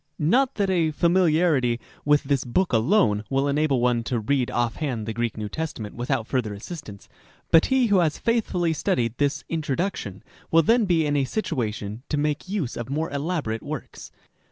Not that a familiarity with this book alone will enable one to read offhand the Greek New Testament without further assistance ; but he who has faith fully studied this " Introduction " will then be in a situation to make use of more elaborate works.